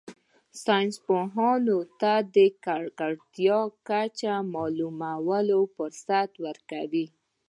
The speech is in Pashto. ساینس پوهانو ته د ککړتیا کچه معلومولو فرصت ورکوي